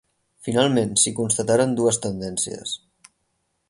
Finalment s'hi constataren dues tendències.